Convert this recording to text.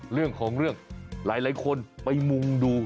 เรื่องของเรื่องหลายคนไปมุ่งดู